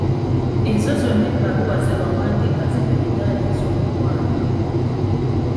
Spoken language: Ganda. Ezo zonna ebbaluwa ze wawandiika ze tuyita ez'omukwano.